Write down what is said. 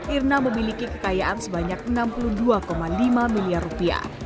irna memiliki kekayaan sebanyak enam puluh dua lima miliar rupiah